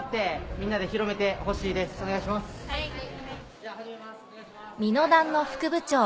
「みのだん」の副部長